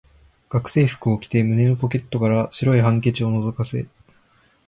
学生服を着て、胸のポケットから白いハンケチを覗かせ、